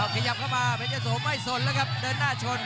ขยับเข้ามาเพชรยะโสไม่สนแล้วครับเดินหน้าชน